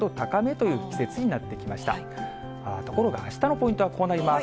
ところがあしたのポイントはこうなります。